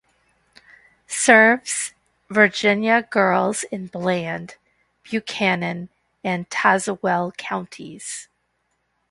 Serves Virginia girls in Bland, Buchanan, and Tazewell counties.